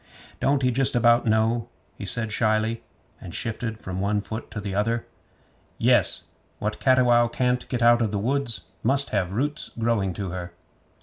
'Don't he justabout know?' he said shyly, and shifted from one foot to the other. 'Yes. "What Cattiwow can't get out of the woods must have roots growing to her."